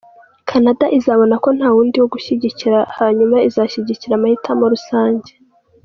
Canada izabona ko nta wundi wo gushyigikira, hanyuma izashyigikira amahitamo rusange.”